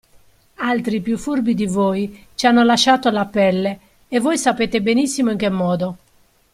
Altri più furbi di voi ci hanno lasciato la pelle e voi sapete benissimo in che modo.